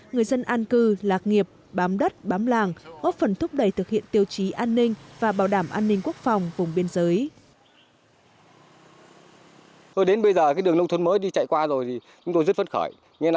người dân an cư lạc nghiệp bám đất bám làng góp phần thúc đẩy thực hiện tiêu chí an ninh và bảo đảm an ninh quốc phòng vùng biên giới